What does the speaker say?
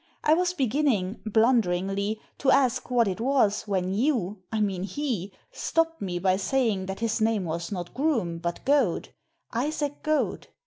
I was begin ning, blunderingly, to ask what it was, when you — I mean he — stopped me by saying that his name was not Groome, but Goad — Isaac Goad.